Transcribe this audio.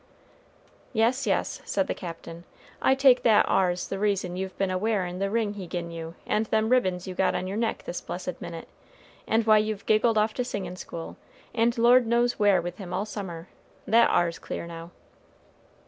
"Yes, yes," said the Captain, "I take that ar's the reason you've ben a wearin' the ring he gin you and them ribbins you've got on your neck this blessed minute, and why you've giggled off to singin' school, and Lord knows where with him all summer, that ar's clear now."